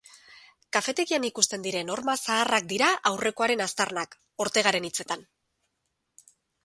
Kafetegian ikusten diren horma zaharrak dira aurrekoaren aztarnak, Ortegaren hitzetan.